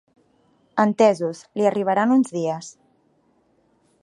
Entesos, li arribarà en uns dies.